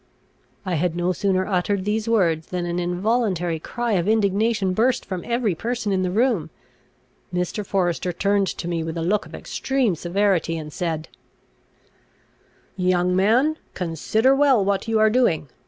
I had no sooner uttered these words, than an involuntary cry of indignation burst from every person in the room. Mr. Forester turned to me with a look of extreme severity, and said "Young man, consider well what you are doing!